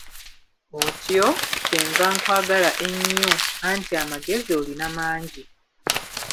Otyo, kye nva nkwagala ennyo, anti amagezi olina mangi!